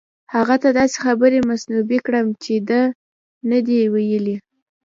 هغه ته داسې خبرې منسوبې کړم چې ده نه دي ویلي.